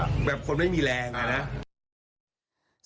แบบคนไม่มีแรงเลยนะ